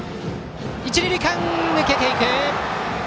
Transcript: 一、二塁間抜けていく。